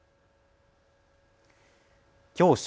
きょう正